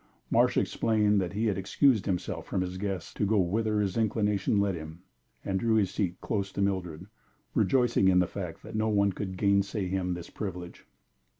Marsh explained that he had excused himself from his guests to go whither his inclination led him, and drew his seat close to Mildred, rejoicing in the fact that no one could gainsay him this privilege.